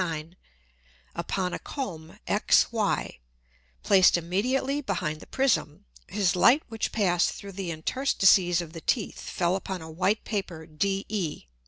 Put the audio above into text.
] upon a Comb XY, placed immediately behind the Prism, his Light which passed through the Interstices of the Teeth fell upon a white Paper DE.